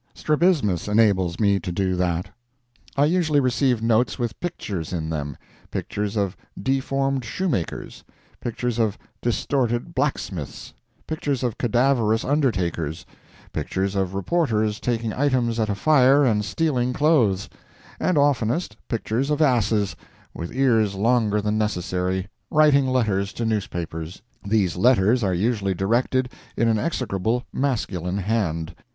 Strabismus enables me to do that. I usually receive notes with pictures in them; pictures of deformed shoemakers; pictures of distorted blacksmiths, pictures of cadaverous undertakers; pictures of reporters taking items at a fire and stealing clothes; and oftenest, pictures of asses, with ears longer than necessary, writing letters to newspapers. These letters are usually directed in an execrable masculine hand.